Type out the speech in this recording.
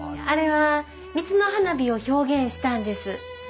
あれは三津の花火を表現したんです。